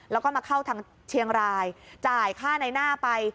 แล้วก็มาเข้าทางเชียงรายจ่ายค่าในหน้าไป